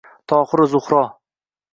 Tohiru Zuhro